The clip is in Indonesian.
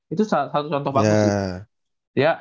itu satu contoh bagus